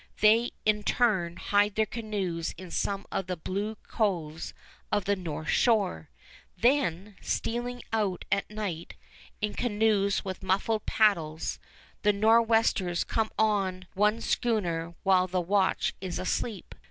They, in turn, hide their canoes in some of the blue coves of the north shore. Then, stealing out at night, in canoes with muffled paddles, the Nor'westers come on one schooner while the watch is asleep.